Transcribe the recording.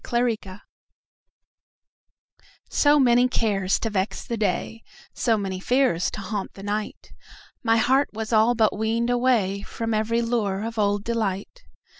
Summer Magic SO many cares to vex the day, So many fears to haunt the night, My heart was all but weaned awayFrom every lure of old delight.